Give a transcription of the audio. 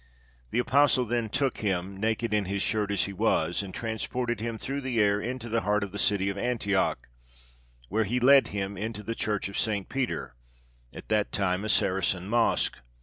The apostle then took him, naked in his shirt as he was, and transported him through the air into the heart of the city of Antioch, where he led him into the church of St. Peter, at that time a Saracen mosque.